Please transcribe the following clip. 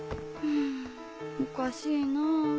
んおかしいなぁ。